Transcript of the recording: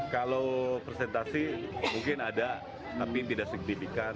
kalau presentasi mungkin ada tapi tidak signifikan